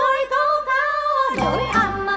rồi câu ca đổi ân